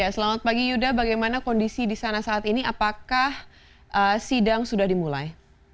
selamat pagi yuda bagaimana kondisi di sana saat ini apakah sidang sudah dimulai